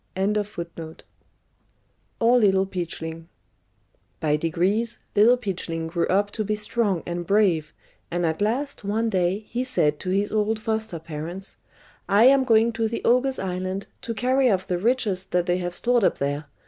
] By degrees Little Peachling grew up to be strong and brave, and at last one day he said to his old foster parents "I am going to the ogres' island to carry off the riches that they have stored up there.